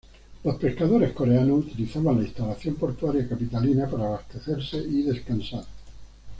Los pescadores coreanos utilizaban la instalación portuaria capitalina para abastecerse y descansar.